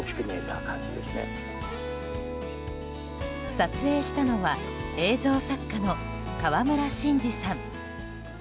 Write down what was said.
撮影したのは映像作家の川村伸司さん。